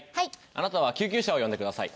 あなたは救急車を呼んでください。